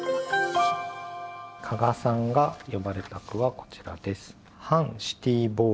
加賀さんが詠まれた句はこちらです。